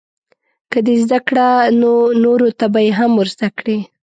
که دې زده کړه نو نورو ته به یې هم ورزده کړې.